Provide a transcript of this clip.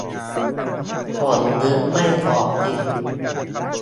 ผมนึกไม่ออกจริง